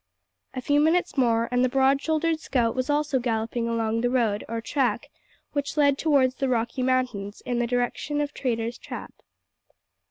A few minutes more and the broad shouldered scout was also galloping along the road or track which led towards the Rocky mountains in the direction of Traitor's Trap.